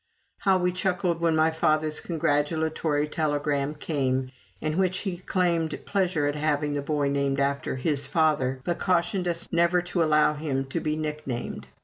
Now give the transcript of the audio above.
How we chuckled when my father's congratulatory telegram came, in which he claimed pleasure at having the boy named after his father, but cautioned us never to allow him to be nicknamed.